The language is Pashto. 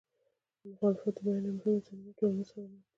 د مخالفت د بیان یوه مهمه زمینه ټولنیز خدمات دي.